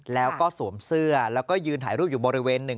แล้วก็สวมเสื้อแล้วก็ยืนถ่ายรูปอยู่บริเวณหนึ่ง